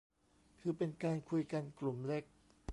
คือเป็นการคุยกันกลุ่มเล็ก